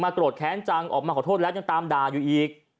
โกรธแค้นจังออกมาขอโทษแล้วยังตามด่าอยู่อีก